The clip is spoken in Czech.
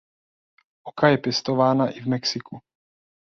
Oka je pěstována i v Mexiku.